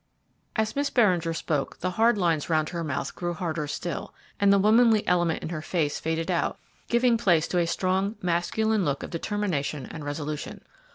As Miss Beringer spoke the hard lines round her mouth grew still harder, and the womanly element in her face faded out, giving place to a strong, masculine look of determination and resolution.